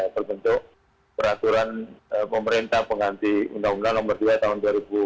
terbentuk peraturan pemerintah pengganti undang undang nomor dua tahun dua ribu dua puluh